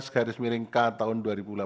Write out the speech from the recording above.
garis miringkan tahun dua ribu delapan belas